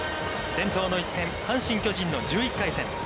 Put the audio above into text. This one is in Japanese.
伝統の一戦、阪神、巨人の１１回戦。